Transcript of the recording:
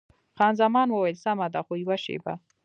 خان زمان وویل: سمه ده، خو یوه شېبه.